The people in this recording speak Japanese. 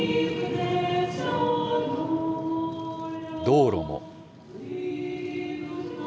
道路も。